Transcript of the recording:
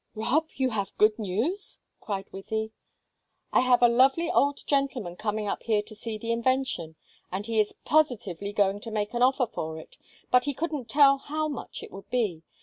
"Rob, have you good news?" cried Wythie. "I have a lovely old gentleman coming up here to see the invention, and he is positively going to make an offer for it, but he couldn't tell how much it would be.